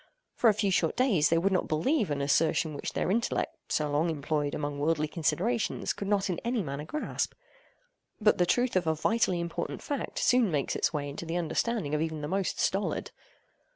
For a few short days they would not believe an assertion which their intellect so long employed among worldly considerations could not in any manner grasp. But the truth of a vitally important fact soon makes its way into the understanding of even the most stolid.